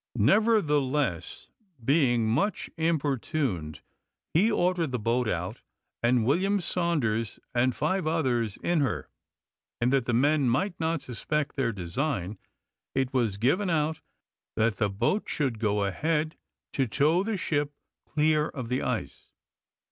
Nevertheless, being much importuned, he ordered the boat out, and William Saunders and five others in her; and, that the men might not suspect their design, it was given out that the boat should go ahead to tow the ship clear of the ice.